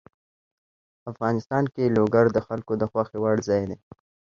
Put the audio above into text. افغانستان کې لوگر د خلکو د خوښې وړ ځای دی.